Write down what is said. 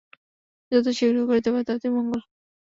যত শীঘ্র করিতে পার ততই মঙ্গল।